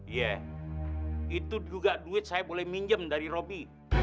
iya itu juga duit saya boleh minjem dari robby